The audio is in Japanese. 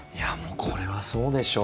これはそうでしょう。